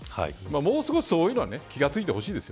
もう少しそういうのは気が付いてほしいです。